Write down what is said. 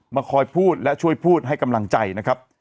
มาคอยพูดและช่วยพูดให้กำลังใจนะครับ